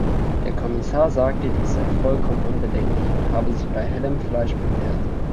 Der Kommissar sagte, dies sei vollkommen unbedenklich und habe sich bei hellem Fleisch bewährt.